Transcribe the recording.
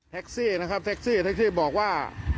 แท็กซี่นะครับแท็กซี่แท็กซี่บอกว่า